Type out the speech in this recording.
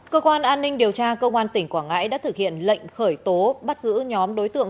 cơ quan an ninh điều tra công an tỉnh quảng ngãi đã thực hiện lệnh khởi tố bắt giữ nhóm đối tượng